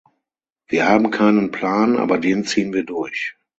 Wir haben keinen Plan, aber den ziehen wir durch!